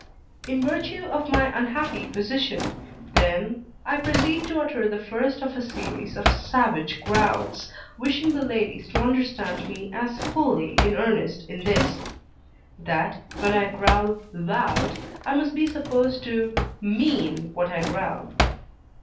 In virtue of my unhappy position, then, I proceed to utter the first of a series of savage growls, wishing the ladies to understand me as fully in earnest in this; that when I growl loud, I must be supposed to mean what I growl.